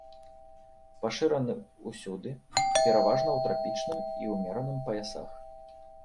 Пашыраны ўсюды, пераважна ў трапічным і ўмераным паясах.